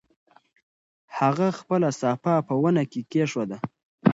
هغه خپله صافه په ونه کې کېښوده.